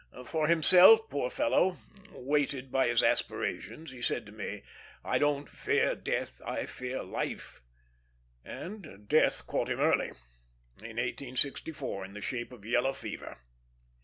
For himself, poor fellow, weighted by his aspirations, he said to me, "I don't fear death, I fear life;" and death caught him early, in 1864, in the shape of yellow fever.